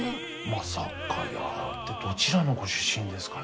「まさかやー」ってどちらのご出身ですかね。